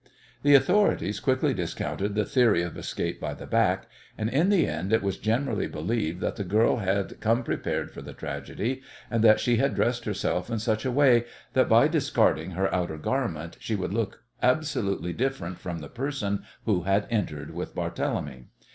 The authorities quickly discounted the theory of escape by the back, and in the end it was generally believed that the girl had come prepared for the tragedy, and that she had dressed herself in such a way that by discarding her outer garment she would look absolutely different from the person who had entered with Barthélemy.